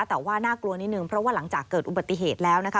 แต่ว่าน่ากลัวนิดนึงเพราะว่าหลังจากเกิดอุบัติเหตุแล้วนะคะ